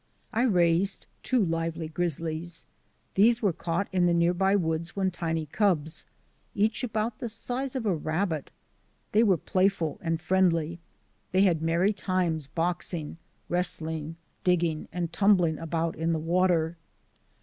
I raised two lively grizzlies. These were caught in the near by woods when tiny cubs, each about the size of a rabbit. They were playful and LANDMARKS 151 friendly; they had merry times boxing, wrestling, digging, and tumbling about in the water.